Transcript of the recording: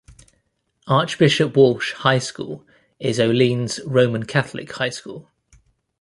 Archbishop Walsh High School is Olean's Roman Catholic high school.